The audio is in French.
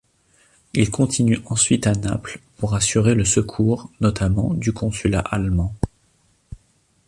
Il continue ensuite à Naples pour assurer le secours, notamment du consulat allemand.